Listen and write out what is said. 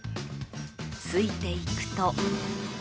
ついていくと。